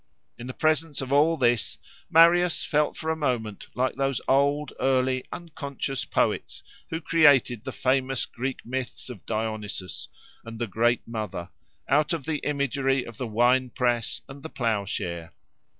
In the presence of all this Marius felt for a moment like those old, early, unconscious poets, who created the famous Greek myths of Dionysus, and the Great Mother, out of the imagery of the wine press and the ploughshare.